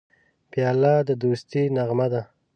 پیاله د دوستی نغمه ده.